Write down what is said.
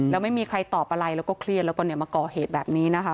แล้วไม่มีใครตอบอะไรแล้วก็เครียดแล้วก็มาก่อเหตุแบบนี้นะคะ